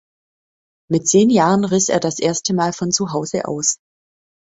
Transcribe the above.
Mit zehn Jahren riss er das erste Mal von zu Hause aus.